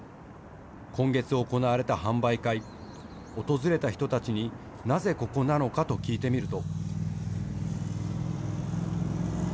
今月、行われた販売会、訪れた人たちになぜここなのかと聞いてみると。